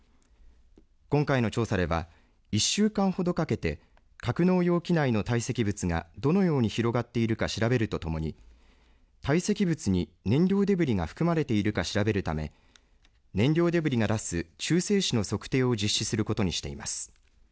今回の調査では１週間ほどかけて格納容器内の堆積物がどのように広がっているか調べるとともに堆積物に燃料デブリが含まれているか調べるため燃料デブリが出す中性子の測定を実施することにしています。